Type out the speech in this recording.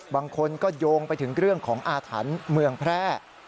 บางคนก็โยงไปถึงเรื่องของอาถรรพ์เมืองแพร่